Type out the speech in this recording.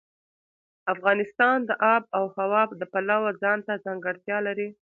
افغانستان د آب وهوا د پلوه ځانته ځانګړتیا لري.